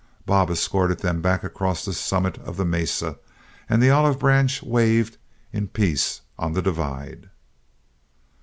Bob escorted them back across the summit of the mesa, and the olive branch waved in peace on the divide.